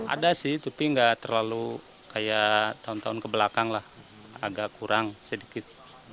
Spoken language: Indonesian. ada sih tapi nggak terlalu kayak tahun tahun kebelakang lah agak kurang sedikit